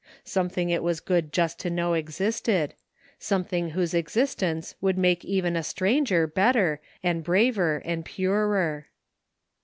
Something it was good just to know existed ; something whose existence would make even a stranger better and braver and purer.